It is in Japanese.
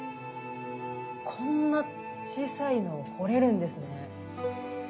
こんな小さいの彫れるんですね。